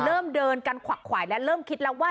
เริ่มเดินกันขวักขวายและเริ่มคิดแล้วว่า